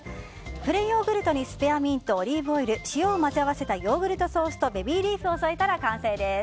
プレーンヨーグルトにスペアミントオリーブオイル塩を混ぜ合わせたヨーグルトソースとベビーリーフを添えたら完成です。